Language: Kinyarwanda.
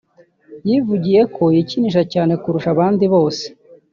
yivugiye ko yikinisha cyane kurusha abandi bose